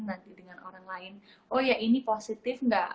nanti dengan orang lain oh ya ini positif nggak